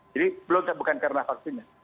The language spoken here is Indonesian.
jadi bukan karena vaksinnya